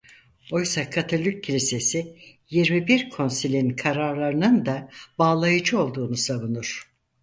Oysa Katolik kilisesi yirmi bir Konsilin kararlarının da bağlayıcı olduğunu savunur.